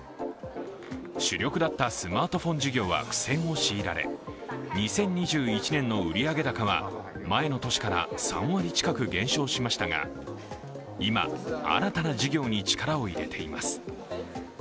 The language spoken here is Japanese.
主力だったスマートフォン事業は苦戦を強いられ２０２１年の売上高は前の年から３割近く減少しましたが今、新たな事業に力を入れています